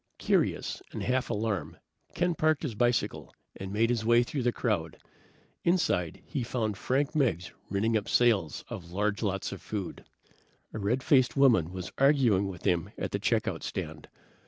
Curious and half alarmed, Ken parked his bicycle and made his way through the crowd. Inside, he found Frank Meggs ringing up sales of large lots of food. A red faced woman was arguing with him at the check out stand.